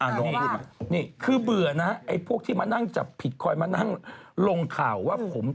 นี่คือเบื่อนะใครที่มาห่วงสิ่งนี้ลงข่าวว่าผม